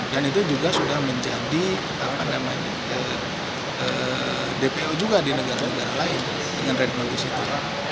dan itu juga sudah menjadi dpo juga di negara negara lain dengan red notice itu